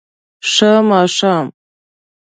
ښه ماښام